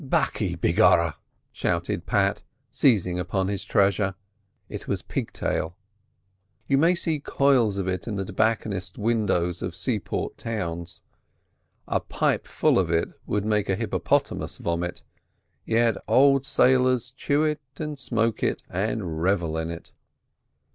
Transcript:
"Baccy, begorra!" shouted Pat, seizing upon his treasure. It was pigtail. You may see coils of it in the tobacconists' windows of seaport towns. A pipe full of it would make a hippopotamus vomit, yet old sailors chew it and smoke it and revel in it.